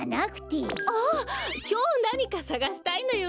あっきょうなにかさがしたいのよね。